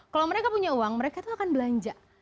kalau mereka punya uang mereka itu akan belanja